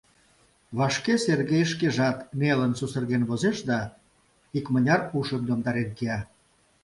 Вашке Сергей шкежат нелын сусырген возеш да икмыняр ушым йомдарен кия.